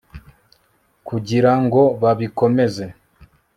kugira ngo babikomeze